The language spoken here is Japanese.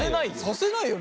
させないよ。